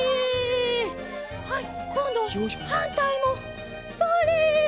はいこんどははんたいもそれ！